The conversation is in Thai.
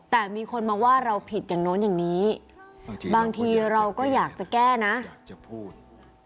แต่มีคนมาว่าเราผิดอย่างโน้นอย่างนี้บางทีเราก็อยากจะแก้นะจะพูด